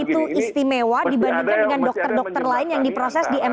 mesti ada yang masih ada yang menyebabkan